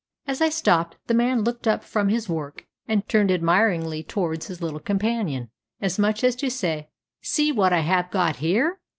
As I stopped, the man looked up from his work, and turned admiringly towards his little companion, as much as to say, "See what I have got here!"